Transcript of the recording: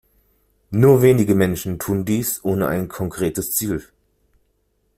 Nur wenige Menschen tun dies ohne ein konkretes Ziel.